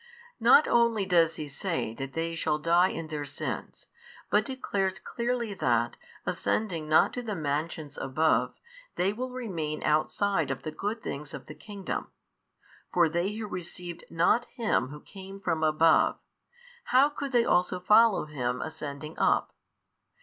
Not only does He say that they shall die in their sins, but declares clearly that, ascending not to the mansions above, they will remain outside of the good things of the kingdom: for they who received not Him Who came from above, how could they also follow Him ascending up?